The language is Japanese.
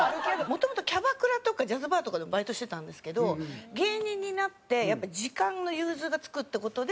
もともとキャバクラとかジャズバーとかでもバイトしてたんですけど芸人になってやっぱり時間の融通がつくって事で。